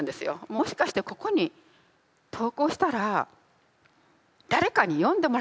もしかしてここに投稿したら誰かに読んでもらえるんだ！